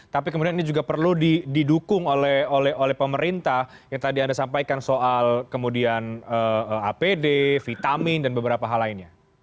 tapi kemudian ini juga perlu didukung oleh pemerintah yang tadi anda sampaikan soal kemudian apd vitamin dan beberapa hal lainnya